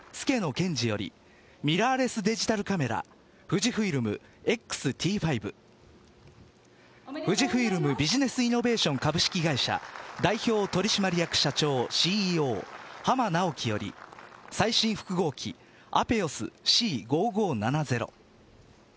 健児よりミラーレスデジタルカメラＦＵＪＩＦＩＬＭＸ‐Ｔ５富士フイルムビジネスイノベーション株式会社代表取締役社長・ＣＥＯ浜直樹より最新複合機ＡｐｅｏｓＣ５５７０。